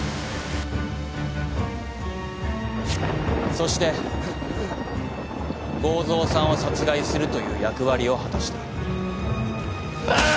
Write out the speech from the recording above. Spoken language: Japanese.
そして剛蔵さんを殺害するという役割を果たした。